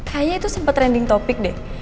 kayaknya itu sempet trending topic deh